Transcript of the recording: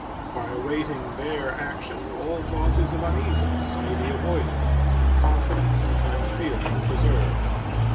By awaiting their action all causes of uneasiness may be avoided and confidence and kind feeling preserved.